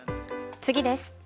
次です。